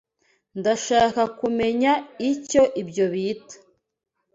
Ndashaka kumenya icyo ibyo bita.